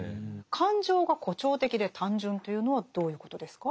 「感情が誇張的で単純」というのはどういうことですか？